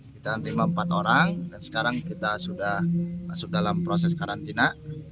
kita terima empat orang dan sekarang kita sudah masuk dalam proses karantina